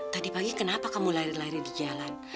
tadi pagi kenapa kamu lari di jalan